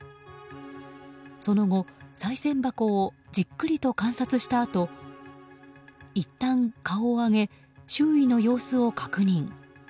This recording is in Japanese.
その後、さい銭箱をじっくりと観察したあといったん顔を上げ周囲の様子を確認。